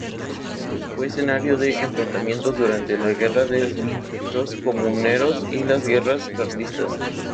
Fue escenario de enfrentamientos durante la Guerra de los Comuneros y las Guerras Carlistas.